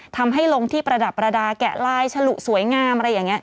ทำให้ลงที่ประดับประดาแกะลายฉลุสวยงามอะไรอย่างนี้